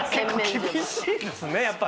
結構厳しいですねやっぱ。